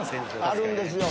あるんですよ。